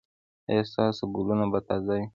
ایا ستاسو ګلونه به تازه وي؟